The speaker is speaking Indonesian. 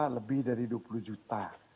lebih dari dua puluh juta